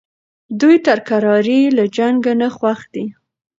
دوی تر کرارۍ له جنګ نه خوښ دي.